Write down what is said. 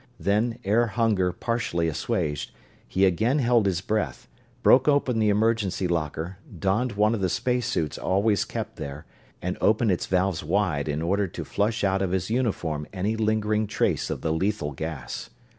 Then, air hunger partially assuaged, he again held his breath, broke open the emergency locker, donned one of the space suits always kept there, and opened its valves wide in order to flush out of his uniform any lingering trace of the lethal gas.